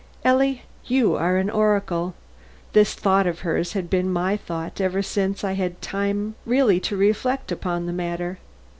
"Ellie, you are an oracle." This thought of hers had been my thought ever since I had had time really to reflect upon the matter.